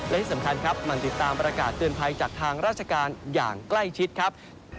และที่สำคัญครับมันติดตามประกาศเตือนภัยจากทางราชการอย่างใกล้ชิดครับ